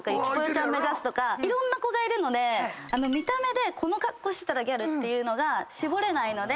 ちゃん目指すいろんな子がいるので見た目でこの格好してたらギャルっていうのが絞れないので。